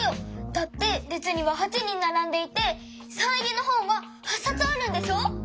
だってれつには８人ならんでいてサイン入りのほんは８さつあるんでしょ？